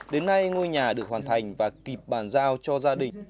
đến nay ngôi nhà được hoàn thành và kịp bàn giao cho gia đình